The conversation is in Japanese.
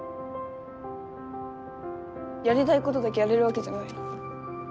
やりたいことだけやれるわけじゃない。